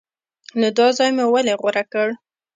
نو دا ځای مو ولې غوره کړ؟